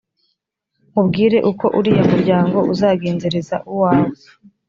nkubwire uko uriya muryango uzagenzereza uwawe.